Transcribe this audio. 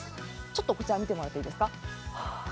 こちら見てもらっていいですか？